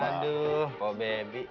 aduh kok baby